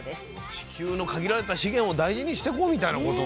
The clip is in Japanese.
地球の限られた資源を大事にしてこうみたいなことかな。